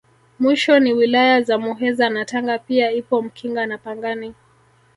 Mwisho ni Wilaya za Muheza na Tanga pia ipo Mkinga na Pangani